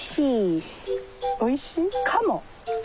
おいしいかも？